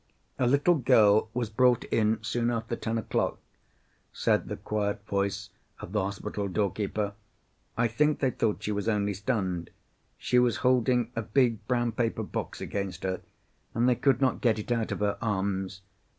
"A little girl was brought in soon after ten o'clock," said the quiet voice of the hospital doorkeeper. "I think they thought she was only stunned. She was holding a big brown paper box against her, and they could not get it out of her arms.